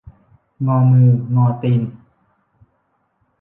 งอมืองอตีน